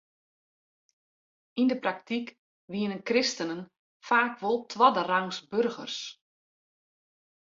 Yn de praktyk wienen kristenen faak wol twadderangs boargers.